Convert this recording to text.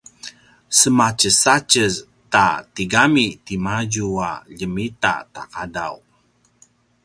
sematjesatjez ta tigami timadju a ljemitaqadaw